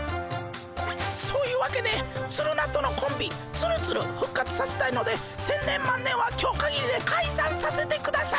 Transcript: そういうわけでツルナとのコンビツルツル復活させたいので千年万年は今日かぎりでかいさんさせてください。